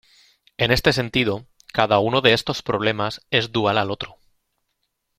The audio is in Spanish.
En este sentido, cada uno de estos problemas es dual al otro.